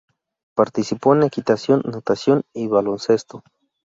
Participó en equitación, natación y baloncesto.